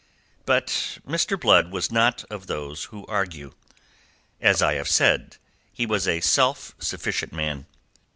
But Mr. Blood was not of those who argue. As I have said, he was a self sufficient man.